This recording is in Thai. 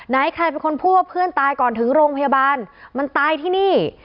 ใครเป็นคนพูดว่าเพื่อนตายก่อนถึงโรงพยาบาลมันตายที่นี่